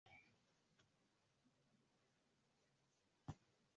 la eneo fulani katika kesi hii Meskhetia